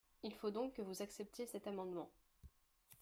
Il faut donc que vous acceptiez cet amendement